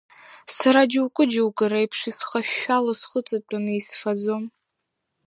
Сара џьоукы-џьоукы реиԥш исхашәало схәыҵатәаны исфаӡом.